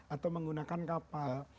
atau menggunakan kapal